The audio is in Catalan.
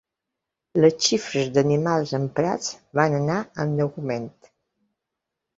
Les xifres d'animals emprats van anar en augment.